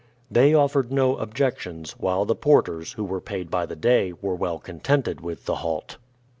They offered no objections, while the porters, who were paid by the day, were well contented with the halt.